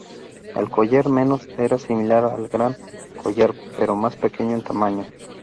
El Collar menor era similar al Gran Collar pero más pequeño en tamaño.